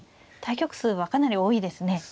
対局数はかなり多いですね。